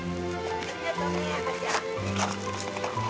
ありがとね愛心ちゃん。